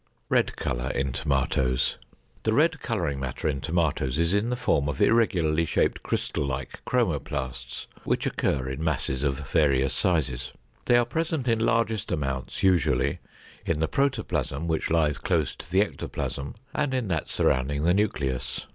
=Red Color in Tomatoes.= The red coloring matter in tomatoes is in the form of irregularly shaped crystal like chromoplasts, which occur in masses of various sizes. They are present in largest amounts usually in the protoplasm which lies close to the ectoplasm and in that surrounding the nucleus.